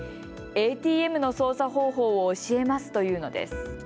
ＡＴＭの操作方法を教えますと言うのです。